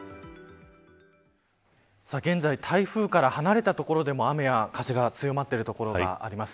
現在、台風から離れた所でも雨や風が強まっている所があります。